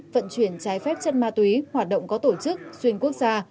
vận chuyển trái phép chất ma túy hoạt động có tổ chức xuyên quốc gia